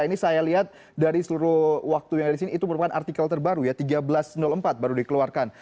ini saya lihat dari seluruh waktu yang ada di sini itu merupakan artikel terbaru ya seribu tiga ratus empat baru dikeluarkan